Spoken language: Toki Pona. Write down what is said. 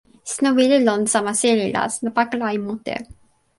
sina wile lon sama seli la sina pakala e mute.